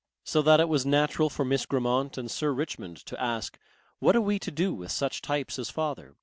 So that it was natural for Miss Grammont and Sir Richmond to ask: "What are we to do with such types as father?"